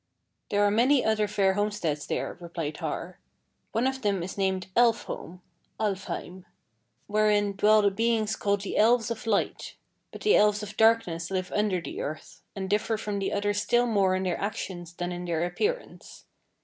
"There are many other fair homesteads there," replied Har; "one of them is named Elf home (Alfheim), wherein dwell the beings called the Elves of Light; but the Elves of Darkness live under the earth, and differ from the others still more in their actions than in their appearance.